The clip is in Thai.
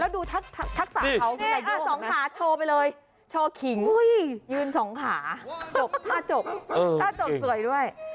ดูท่าจบสวยด้วย